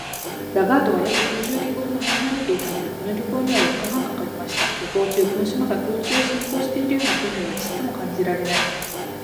ラガードは約九十リーグほど離れていたので、この旅行には四日半かかりました。旅行中、この島が空中を進行しているような気配はちょっとも感じられない